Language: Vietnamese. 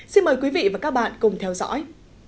xin mời quý vị và các bạn cùng theo dõi